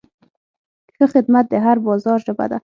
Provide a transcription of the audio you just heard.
ښه خدمت د هر بازار ژبه ده.